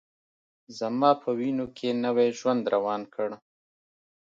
زما په وینوکې نوی ژوند روان کړ